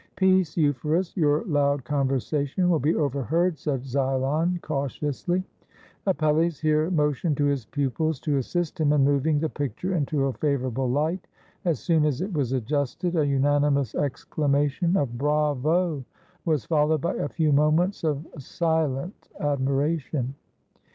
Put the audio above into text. "Peace, Euphorus; your loud conversation will be overheard!" said Xylon cautiously. Apelles here motioned to his pupils to assist him in moving the picture into a favorable light. As soon as it was adjusted, a unanimous exclamation of "Bravo!" 200 IN THE STUDIO OF APELLES was followed by a few moments of silent admiration.